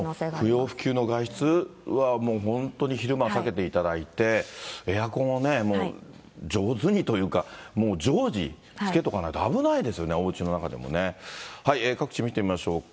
不要不急の外出はもう本当に昼間は避けていただいて、エアコンを上手にというか、もう常時つけとかないと危ないですよね、おうちの中でもね。各地見てみましょうか。